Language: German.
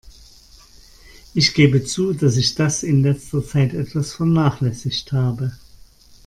Ich gebe zu, dass ich das in letzter Zeit etwas vernachlässigt habe.